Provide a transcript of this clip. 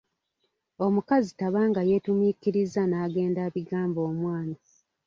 Omukazi taba nga yeetumiikirizza n’agenda abigamba omwana.